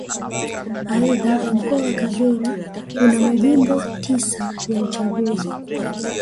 Aidha Mkoa wa Kagera una Majimbo tisa ya uchaguzi